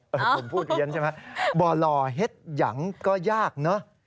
ผมพูดเย็นใช่ไหมบ่อลอเห็ดยังก็ยากเนอะ